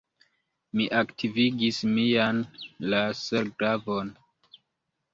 Mi aktivigis mian laserglavon.